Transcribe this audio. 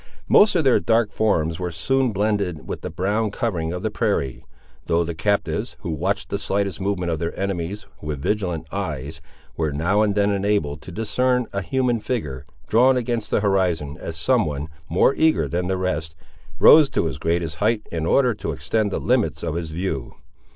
Most of their dark forms were soon blended with the brown covering of the prairie; though the captives, who watched the slightest movement of their enemies with vigilant eyes, were now and then enabled to discern a human figure, drawn against the horizon, as some one, more eager than the rest, rose to his greatest height in order to extend the limits of his view.